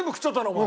お前。